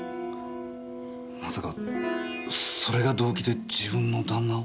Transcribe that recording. まさかそれが動機で自分の旦那を？